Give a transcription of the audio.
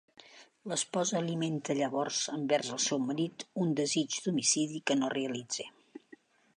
L'esposa alimenta llavors envers el seu marit un desig d'homicidi que no realitza.